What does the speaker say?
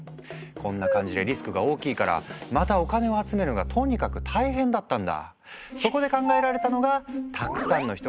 こんな感じでリスクが大きいからまたお金を集めるのがとにかく大変だったんだ。